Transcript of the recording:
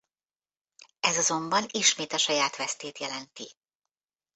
Ez azonban ismét a saját vesztét jelenti.